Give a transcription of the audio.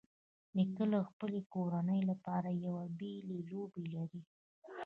نیکه د خپلې کورنۍ لپاره یو بېلې لوبه لري.